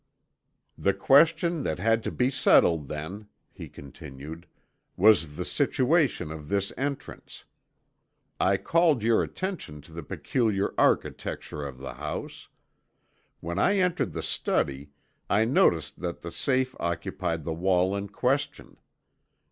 "The question that had to be settled then," he continued, "was the situation of this entrance. I called your attention to the peculiar architecture of the house. When I entered the study I noticed that the safe occupied the wall in question.